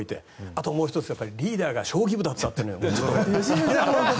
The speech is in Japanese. あともう１つリーダーが将棋部だったという。